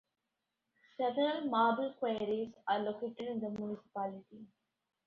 Several marble quarries are located in the municipality.